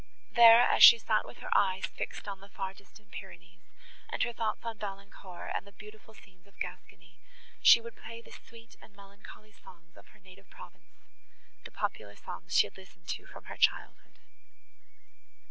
There, as she sat with her eyes fixed on the far distant Pyrenees, and her thoughts on Valancourt and the beloved scenes of Gascony, she would play the sweet and melancholy songs of her native province—the popular songs she had listened to from her childhood.